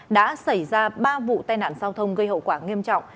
đã xảy ra ba vụ tai nạn giao thông gây hậu quả nghiêm trọng